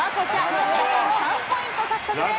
上田さん、３ポイント獲得です。